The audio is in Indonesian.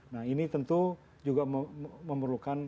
nah ini tentu juga memerlukan